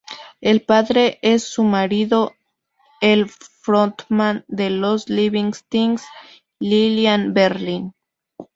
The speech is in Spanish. El padre es su marido el frontman de los Living Things, Lillian Berlin.